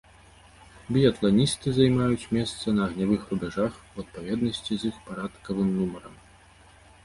Біятланісты займаюць месца на агнявых рубяжах у адпаведнасці з іх парадкавым нумарам.